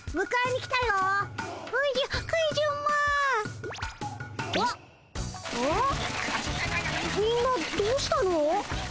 みんなどうしたの？